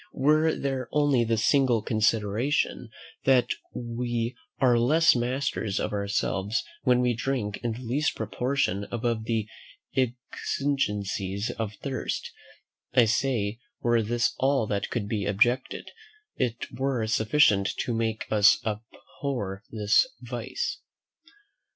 Were there only this single consideration, that we are less masters of ourselves when we drink in the least proportion above the exigencies of thirst, I say, were this all that could be objected, it were sufficient to make us abhor this vice.